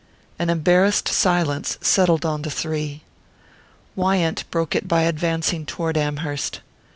An embarrassed silence settled on the three. Wyant broke it by advancing toward Amherst.